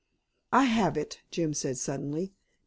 "I have it," Jim said suddenly.